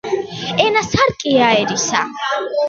ენა სარკეა ერისა